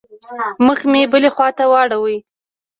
مخ مې بلې خوا ته واړاوه.